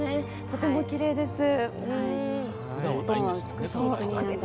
とてもきれいです。